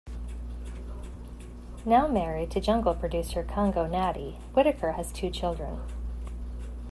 Now married to jungle producer Congo Natty, Whittaker has two children.